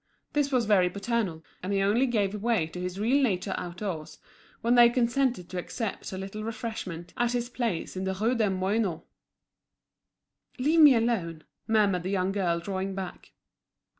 This was very paternal, and he only gave way to his real nature outdoors, when they consented to accept a little refreshment at his place in the Rue des Moineaux. "Leave me alone," murmured the young girl, drawing back.